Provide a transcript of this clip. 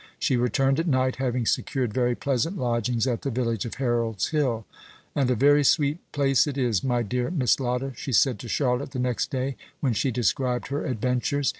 She returned at night, having secured very pleasant lodgings at the village of Harold's Hill. "And a very sweet place it is, my dear Miss Lotta," she said to Charlotte the next day, when she described her adventures.